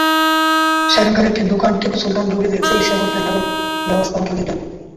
সেখানকার একটি দোকানে টিপু সুলতান রোগীদের চিকিৎসা করতেন এবং ব্যবস্থাপত্র দিতেন।